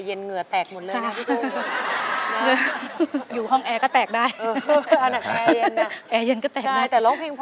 ไม่ทำได้ไม่ทำได้